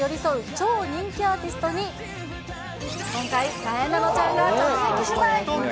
超人気アーティストに、今回、なえなのちゃんが直撃取材。